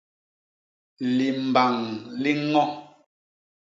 Limbañ li ño.